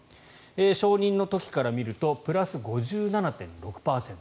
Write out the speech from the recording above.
承認の時から見るとプラス５７．６％。